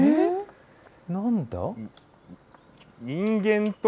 なんだ？